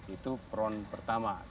itu peron pertama